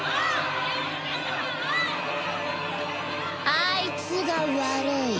あいつが悪い。